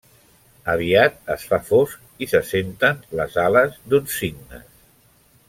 Aviat es fa fosc i se senten les ales d'uns cignes.